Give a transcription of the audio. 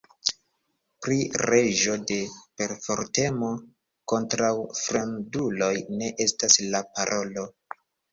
Pri reĝo de perfortemo kontraŭ fremduloj ne estas la parolo.